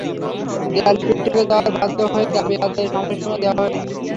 দেয়ালে পিঠ ঠেকে যাওয়ায় বাধ্য হয়ে দাবি আদায়ে সময়সীমা দেওয়া হয়েছে।